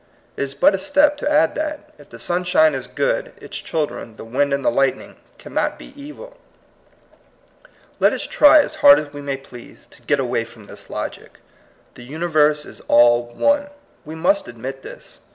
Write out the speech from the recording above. It is but a step to add that, if the sunshine is good, its children, the wind and the light ning, cannot be evil. « Let us try, as hard as we may please, to get away from this logic. The universe is all one; we must admit this.